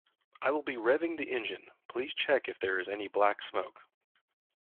I will begin revving the engine, please check if there is any black smoke.